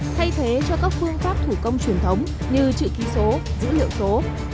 thay thế cho các phương pháp thủ công truyền thống như chữ ký số dữ liệu số